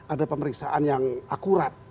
ada pemeriksaan yang akurat